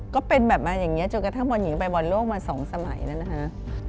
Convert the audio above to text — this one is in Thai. ก็เป็นแบบนั้นอย่างนี้จนกระทั่งบ่นหญิงไปบ่นโลกมาสองสมัยแล้วนะฮะ